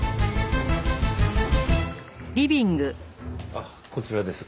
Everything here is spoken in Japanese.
あっこちらです。